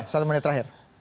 satu menit terakhir